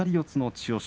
千代翔